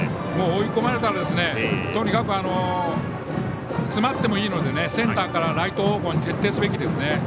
追い込まれたら、とにかく詰まってもいいのでセンターからライト方向に徹底すべきですね。